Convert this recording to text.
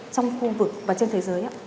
trong khu vực và trên thế giới